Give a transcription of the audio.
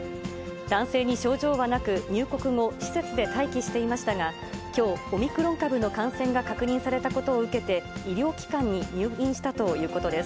男性に症状はなく、入国後、施設で待機していましたが、きょう、オミクロン株の感染が確認されたことを受けて、医療機関に入院したということです。